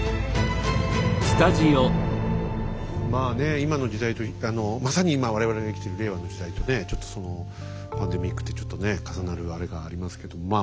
まあねえ今の時代まさに今我々が生きてる令和の時代とねちょっとパンデミックってちょっとね重なるあれがありますけどまあ